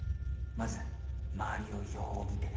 まず周りをよう見て。